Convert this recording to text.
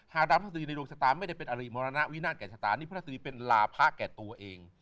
ถ้าดังพฤษฎีในดวงชะตาไม่ได้เป็นอริมรณวินาศแก่ชะตานี่พฤษฎีเป็นลาพระแก่ตัวเอง